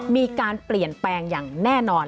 มีการเปลี่ยนแปลงอย่างแน่นอน